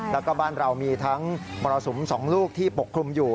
แล้วก็บ้านเรามีทั้งมรสุม๒ลูกที่ปกคลุมอยู่